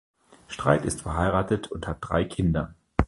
Streit ist verheiratet und hat drei Kinder.